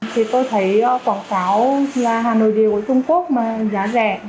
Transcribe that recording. thì tôi thấy quảng cáo là hàng nội địa của trung quốc mà giá rẻ